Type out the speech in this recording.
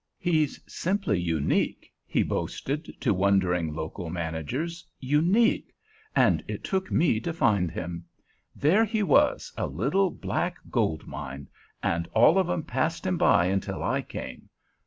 "He's simply unique," he boasted to wondering local managers—"unique, and it took me to find him. There he was, a little black gold mine, and all of 'em passed him by until I came.